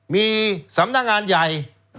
มีสำนักงานใหญ่